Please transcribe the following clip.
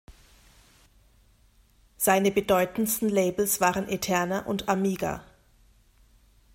Seine bedeutendsten Labels waren Eterna und Amiga.